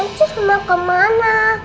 ancus mau kemana